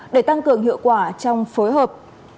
để tăng cường hiệu quả trong phối hợp